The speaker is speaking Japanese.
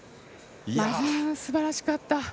すばらしかった。